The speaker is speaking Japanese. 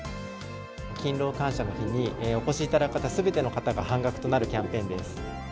勤労感謝の日にお越しいただく方すべての方が半額となるキャンペーンです。